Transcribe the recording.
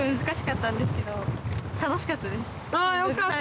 あよかった。